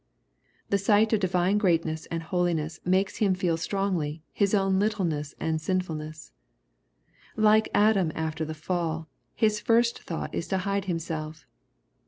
The sight of divine great ness and holiness makes him feel strongly his own littleness and sinfulness. Like Adam after the fall, his first thought is to hide himself.